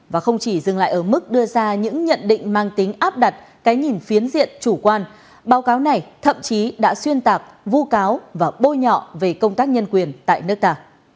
và không chỉ dừng lại ở mức đưa ra những nhận định mang tính áp đặt cái nhìn phiến diện chủ quan báo cáo này thậm chí đã xuyên tạc vu cáo và bôi nhọ về công tác nhân quyền tại nước ta